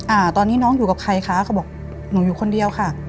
อ่าตอนนี้น้องอยู่กับใครคะเขาบอกหนูอยู่คนเดียวค่ะ